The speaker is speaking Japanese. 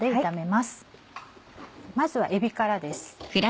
まずはえびからです。